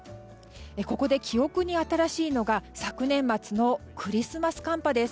ここで記憶に新しいのが昨年末のクリスマス寒波です。